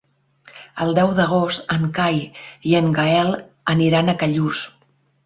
El deu d'agost en Cai i en Gaël aniran a Callús.